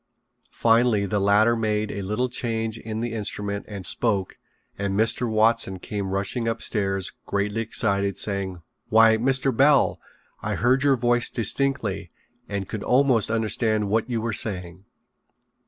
Finally the latter made a little change in the instrument and spoke and Mr. Watson came rushing upstairs greatly excited, saying: "Why, Mr. Bell, I heard your voice distinctly and could almost understand what you were saying."